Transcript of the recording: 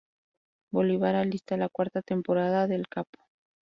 Bolívar alista la cuarta temporada de El capo.